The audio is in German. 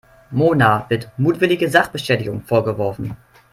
Mona wird mutwillige Sachbeschädigung vorgeworfen.